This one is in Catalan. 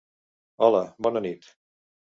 Hola, bona nit.